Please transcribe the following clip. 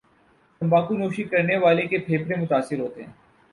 تمباکو نوشی کرنے والے کے پھیپھڑے متاثر ہوتے ہیں